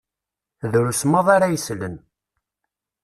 Drus maḍi ara yeslen.